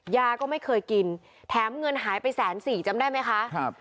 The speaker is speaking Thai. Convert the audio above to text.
ยาก็ไม่เคยกินแถมเงินหายไป๑๔๐๐๐๐บาทจำได้ไหมคะ